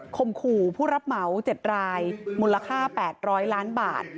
มขู่ผู้รับเหมา๗รายมูลค่า๘๐๐ล้านบาท